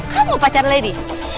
kamu pacar lady